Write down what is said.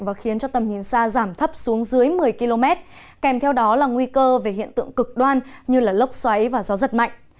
và khiến cho tầm nhìn xa giảm thấp xuống dưới một mươi km kèm theo đó là nguy cơ về hiện tượng cực đoan như lốc xoáy và gió giật mạnh